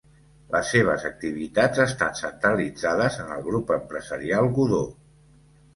Les seves activitats estan centralitzades en el Grup empresarial Godó.